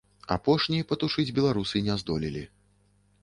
Апошні патушыць беларусы не здолелі.